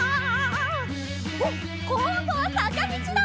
おっこんどはさかみちだ！